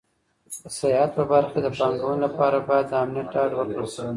د سیاحت په برخه کې د پانګونې لپاره باید د امنیت ډاډ ورکړل شي.